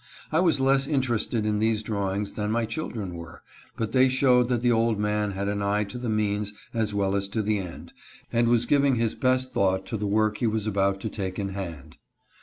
I was less interested in these drawings than my children were, but they showed that the old man had an eye to the means as well as to the end, and was giving his best thought to the work he was about to take in hand.